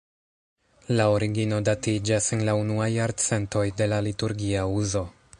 La origino datiĝas en la unuaj jarcentoj de la liturgia uzo.